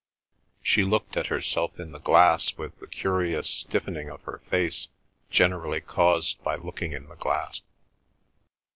She looked at herself in the glass with the curious stiffening of her face generally caused by looking in the glass.